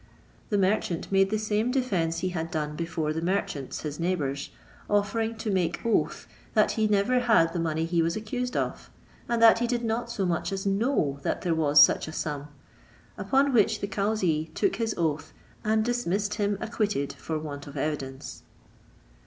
The merchant made the same defence he had done before the merchants his neighbours, offering to make oath that he never had the money he was accused of, and that he did not so much as know there was such a sum; upon which the cauzee took his oath, and dismissed him acquitted for want of evidence.